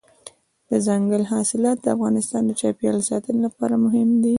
دځنګل حاصلات د افغانستان د چاپیریال ساتنې لپاره مهم دي.